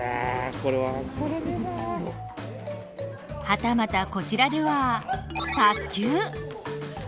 はたまたこちらでは卓球！